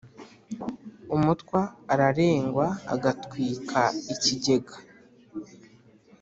Umutwa ararengwa agatwika ikigega.